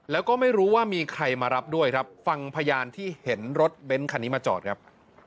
แล้วก็ไม่รู้ว่ามีใครมารับด้วยครับฟังพยานที่เห็นรถเบ้นคันนี้มาจอดครับ